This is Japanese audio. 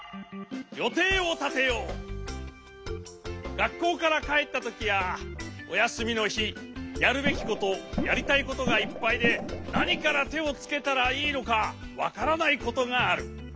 がっこうからかえったときやおやすみのひやるべきことやりたいことがいっぱいでなにからてをつけたらいいのかわからないことがある。